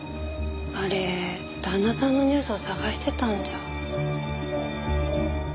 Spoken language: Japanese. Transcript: あれ旦那さんのニュースを探してたんじゃ。